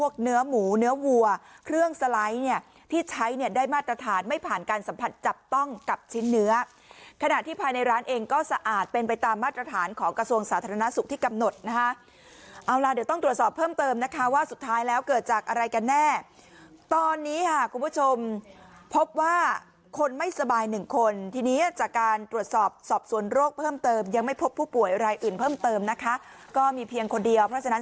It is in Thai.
เครื่องสไลด์ที่ใช้ได้มาตรฐานไม่ผ่านการสัมผัสจับต้องกับชิ้นเนื้อขนาดที่ภายในร้านเองก็สะอาดเป็นไปตามมาตรฐานของกระทรวงสาธารณสุขที่กำหนดนะคะเอาล่ะเดี๋ยวต้องตรวจสอบเพิ่มเติมนะคะว่าสุดท้ายแล้วเกิดจากอะไรกันแน่ตอนนี้ค่ะคุณผู้ชมพบว่าคนไม่สบาย๑คนทีนี้จากการตรวจสอบสอบส่วนโรคเพิ